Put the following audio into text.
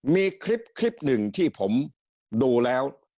มีคลิปหนึ่งที่ผมดูแล้ว